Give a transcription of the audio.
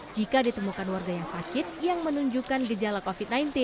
jika ditemukan warga yang sakit yang menunjukkan gejala covid sembilan belas